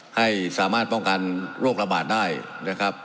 ให้สามารถป้องกันโรคระบาดได้นะครับ